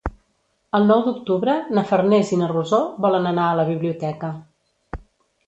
El nou d'octubre na Farners i na Rosó volen anar a la biblioteca.